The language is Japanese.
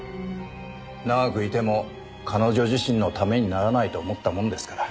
長くいても彼女自身のためにならないと思ったものですから。